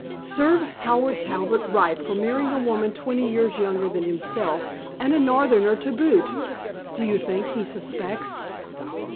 "Serve Howard Talbot right for marrying a woman twenty years younger than himself and a Northerner to boot. Do you think he suspects?"